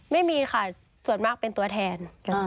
ไม่มีค่ะส่วนมากเป็นตัวแทน